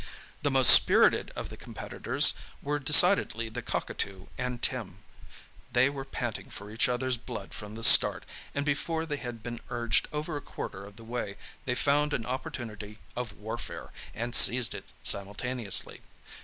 The most spirited of the competitors were decidedly the cockatoo and Tim. They were panting for each other's blood from the start, and before they had been urged over a quarter of the way they found an opportunity of warfare, and seized it simultaneously.